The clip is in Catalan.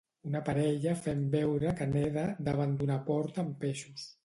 Una parella fent veure que neda davant d'una porta amb peixos.